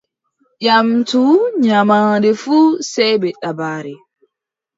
Ƴamtu nyaamaande fuu sey bee dabare.